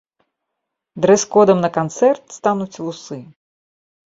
Дрэс-кодам на канцэрт стануць вусы.